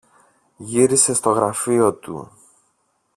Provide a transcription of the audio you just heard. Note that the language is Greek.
Γύρισε στο γραφείο του